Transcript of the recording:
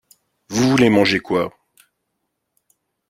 Vous voulez manger quoi?